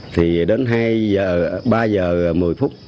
thì đến hai giờ ba giờ một mươi phút